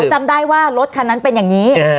จำได้ว่ารถคันนั้นเป็นอย่างนี้